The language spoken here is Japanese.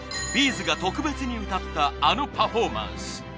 ’ｚが特別に歌ったあのパフォーマンス。